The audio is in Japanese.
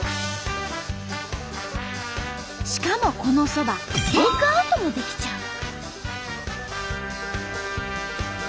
しかもこのそばテイクアウトもできちゃう！